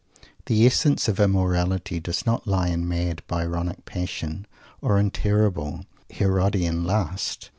The essence of "immorality" does not lie in mad Byronic passion, or in terrible Herodian lust.